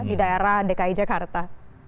di daerah dki jakarta